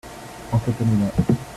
En cette année-là.